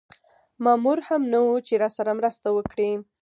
مامور هم نه و چې راسره مرسته وکړي.